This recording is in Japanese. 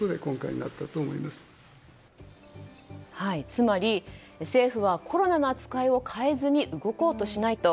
つまり政府はコロナの扱いを変えずに動こうとしないと。